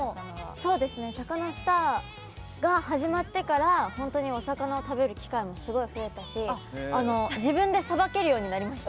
サカナスターが始まってから本当にお魚を食べる機会もすごい増えたし、自分でさばけるようになりました。